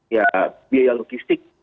ya biaya logistik